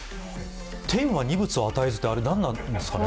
天は二物を与えずって、あれなんなんですかね。